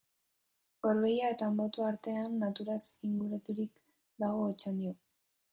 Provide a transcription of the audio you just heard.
Gorbeia eta Anboto artean, naturaz inguraturik dago Otxandio.